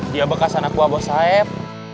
dia bekas anak gue bos saeb